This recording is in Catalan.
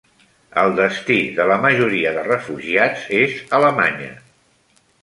El destí de la majoria de refugiats és Alemanya